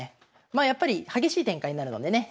まあやっぱり激しい展開になるのでね